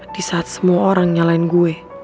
di saat semua orang nyalain gue